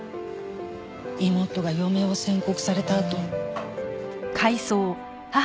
妹が余命を宣告されたあと。